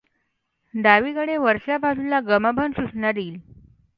डावीकडे वरच्या बाजूला गमभन सूचना देईल.